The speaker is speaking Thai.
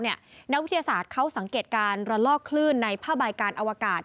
นักวิทยาศาสตร์เขาสังเกตการระลอกคลื่นในผ้าใบการอวกาศ